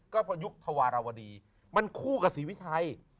ก็พอยุคธวรรณวดีมันคู่กับศิวิไทย